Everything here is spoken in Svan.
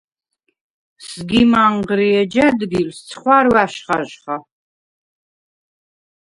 სგიმ ანღრი, ეჯ ა̈დგილს ცხვარვა̈შ ხაჟხა.